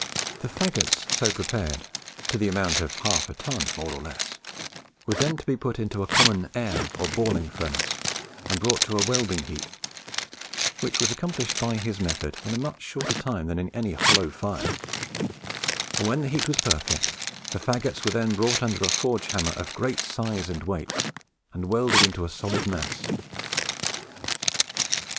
The faggots so prepared, to the amount of half a ton more or less, were then to be put into a common air or balling furnace, and brought to a welding heat, which was accomplished by his method in a much shorter time than in any hollow fire; and when the heat was perfect, the faggots were then brought under a forge hammer of great size and weight, and welded into a solid mass.